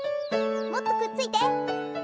もっとくっついて！